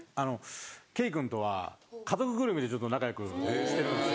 圭君とは家族ぐるみでちょっと仲良くしてるんですよ。